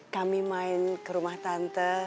kami main kerumah tante